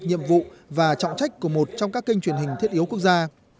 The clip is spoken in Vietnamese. nhiệm vụ và trọng trách của một trong các kênh truyền hình thiết yếu quốc gia